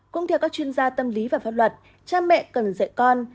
cũng theo các chuyên gia tâm lý và pháp luật cha mẹ cần dạy con